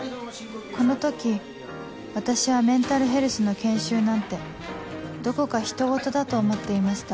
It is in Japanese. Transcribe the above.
この時私はメンタルヘルスの研修なんてどこかひとごとだと思っていました